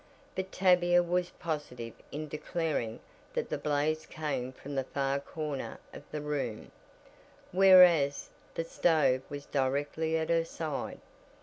But Tavia was positive in declaring that the blaze came from the far corner of the room, whereas the stove was directly at her side.